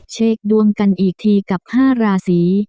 เชกดวงกันอีกทีกับห้าราศี